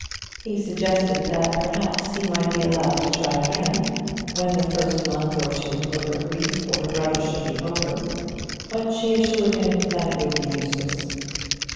He suggested that perhaps he might be allowed to try again when the first month or two of her grief for her brother should be over; but she assured him that it would be useless.